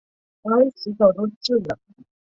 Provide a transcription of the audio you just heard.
据说这两条河流每个世纪仅流一次。